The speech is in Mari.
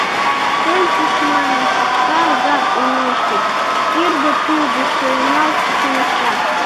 Шем тушманым покта жап имнешке, Керде тулжо шуйналт чоҥешта.